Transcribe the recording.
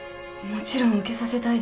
もちろん受けさせたいです。